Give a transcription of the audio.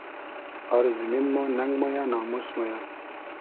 آر زیمین مۉ نئنگ مۉیۂ ناموس مۉ یۂ